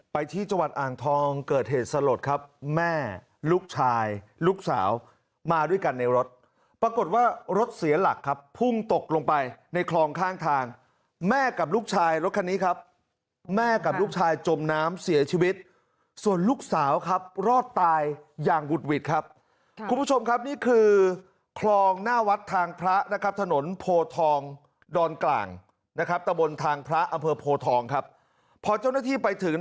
ไปที่จังหวัดอ่างทองเกิดเหตุสลดครับแม่ลูกชายลูกสาวมาด้วยกันในรถปรากฏว่ารถเสียหลักครับพุ่งตกลงไปในคลองข้างทางแม่กับลูกชายรถคันนี้ครับแม่กับลูกชายจมน้ำเสียชีวิตส่วนลูกสาวครับรอดตายอย่างหุดหวิดครับคุณผู้ชมครับนี่คือคลองหน้าวัดทางพระนะครับถนนโพทองดอนกลางนะครับตะบนทางพระอำเภอโพทองครับพอเจ้าหน้าที่ไปถึง